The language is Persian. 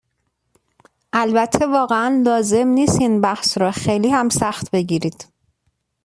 البته واقعا لازم نیست این بحث را خیلی هم سخت بگیرید.